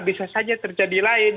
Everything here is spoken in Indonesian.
bisa saja terjadi lain